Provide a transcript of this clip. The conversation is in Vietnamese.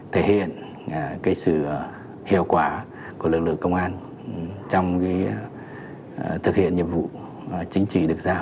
thể hiện sự hiệu quả của lực lượng công an trong thực hiện nhiệm vụ chính trị được giao